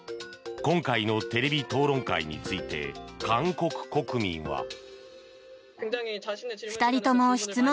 今回のテレビ討論会について韓国国民は。